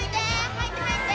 入って入って。